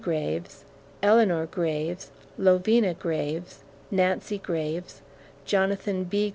Graves, Eleanor Graves, Lovina Graves, Nancy Graves, Jonathan B.